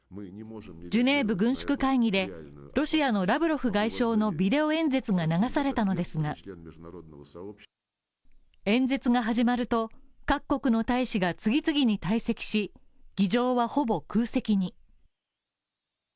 ジュネーブ軍縮会議でロシアのラブロフ外相のビデオ演説が流されたのですが、演説が始まると各国の大使が次々に退席し議場はほぼ空席に。